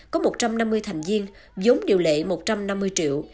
có một trăm năm mươi thành viên giống điều lệ một trăm năm mươi triệu